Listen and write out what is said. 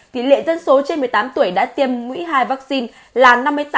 thì lệ dân số trên một mươi tám tuổi đã tiêm mũi hai vaccine là năm mươi tám bảy mươi chín